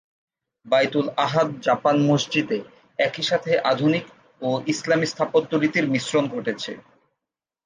বায়তুল আহাদ-জাপান মসজিদে একই সাথে আধুনিক ও ইসলামী স্থাপত্য রীতির মিশ্রণ ঘটেছে।